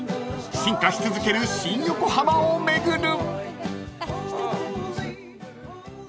［進化し続ける新横浜を巡る］